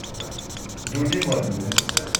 Donnez-moi l'autre.